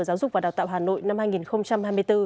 giáo dục và đào tạo hà nội năm hai nghìn hai mươi bốn